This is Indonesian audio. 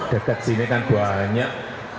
dekat sini kan banyak